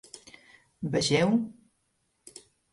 Vegeu: